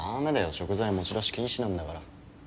食材持ち出し禁止なんだから。